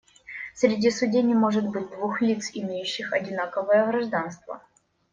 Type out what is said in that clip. Среди судей не может быть двух лиц, имеющих одинаковое гражданство.